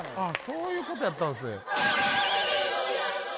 そういうことやったんすね